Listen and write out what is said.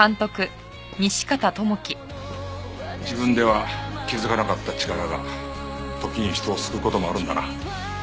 自分では気づかなかった力が時に人を救う事もあるんだな。